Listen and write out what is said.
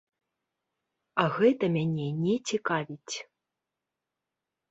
А гэта мяне не цікавіць.